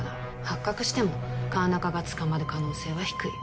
発覚しても川中が捕まる可能性は低い